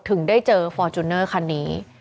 ถึงได้เจอฟอร์จูเนอร์คันนี้